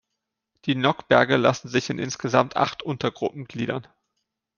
Die Nockberge lassen sich in insgesamt acht Untergruppen gliedern.